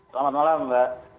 selamat malam mbak